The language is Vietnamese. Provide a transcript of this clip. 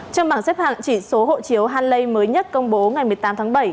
trong bảng xếp hạng chỉ số hộ chiếu hanley mới nhất công bố ngày một mươi tám tháng bảy